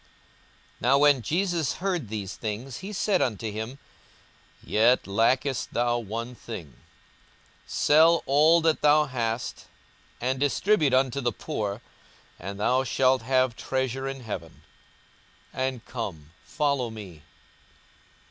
42:018:022 Now when Jesus heard these things, he said unto him, Yet lackest thou one thing: sell all that thou hast, and distribute unto the poor, and thou shalt have treasure in heaven: and come, follow me.